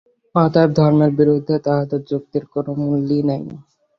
অতএব ধর্মের বিরুদ্ধে তাহদের যুক্তির কোন মূল্যই নাই।